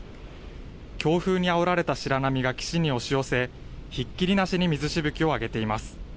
強風にあおられた白波が岸に押し寄せ、ひっきりなしに水しぶきをあげています。